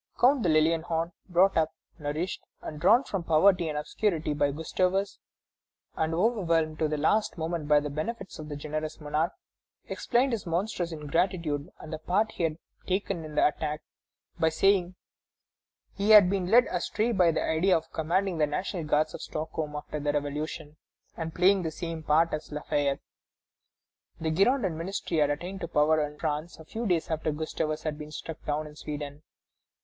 Count de Lilienhorn, brought up, nourished, and drawn from poverty and obscurity by Gustavus, and overwhelmed to the last moment by the benefits of the generous monarch, explained his monstrous ingratitude and the part he had taken in the attack, by saying he had been led astray by the idea of commanding the National Guards of Stockholm after the Revolution, and playing the same part as Lafayette. The Girondin ministry attained to power in France a few days after Gustavus had been struck down in Sweden.